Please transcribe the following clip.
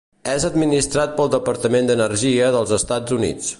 És administrat pel Departament d'Energia dels Estats Units.